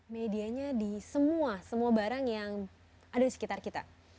medianya di semua semua barang yang ada di sekitar kita